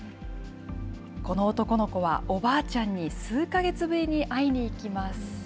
この男の子は、おばあちゃんに数か月ぶりに会いにいきます。